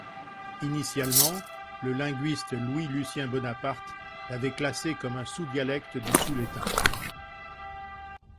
Initialement, le linguiste Louis Lucien Bonaparte l'avait classé comme un sous-dialecte du Souletin.